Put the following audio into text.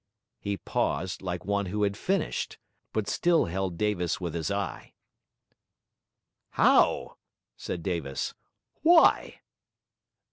He paused, like one who had finished, but still held Davis with his eye. 'How?' said Davis. 'Why?'